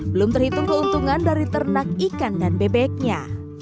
belum terhitung keuntungan dari ternak ikan dan bebeknya